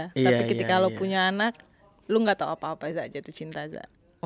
tapi ketika lu punya anak lu gak tahu apa apa zaa jatuh cinta zaa